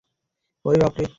ওরে, বাপরে।